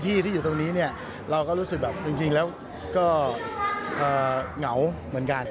ที่ที่อยู่ตรงนี้เนี่ยเราก็รู้สึกแบบจริงแล้วก็เหงาเหมือนกัน